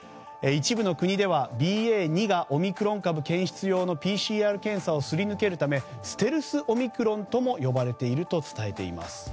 一部の国ではＢＡ．２がオミクロン株の検出用のＰＣＲ検査をすり抜けるためステルスオミクロンとも呼ばれていると伝えています。